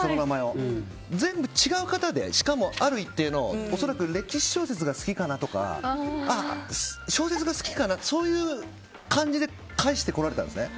全部違う方でしかもある一定の恐らく歴史小説が好きかなとか小説が好きかなというそういう感じで返してこられたんですね。